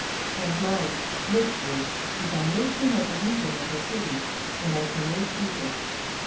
And mind look to it, if I make you not a deacon of the city when I promote Peter.